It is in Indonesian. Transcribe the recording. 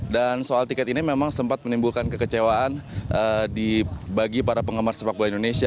dan soal tiket ini memang sempat menimbulkan kekecewaan bagi para penggemar sepak bola indonesia